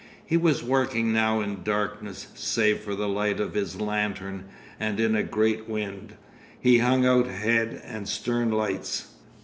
He was working now in darkness—save for the light of his lantern—and in a great wind. He hung out head and stern lights....